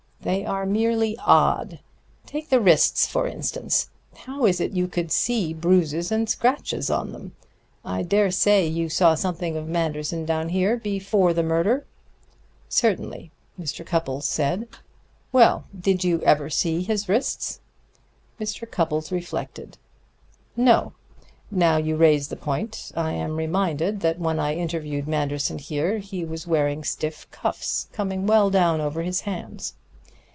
They are merely odd. Take the wrists, for instance. How is it you could see bruises and scratches on them? I dare say you saw something of Manderson down here before the murder?" "Certainly," Mr. Cupples said. "Well, did you ever see his wrists?" Mr. Cupples reflected. "No. Now you raise the point, I am reminded that when I interviewed Manderson here he was wearing stiff cuffs, coming well down over his hands."